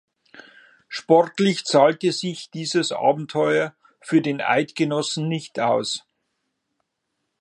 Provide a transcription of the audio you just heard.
Sportlich zahlte sich dieses Abenteuer für den Eidgenossen nicht aus.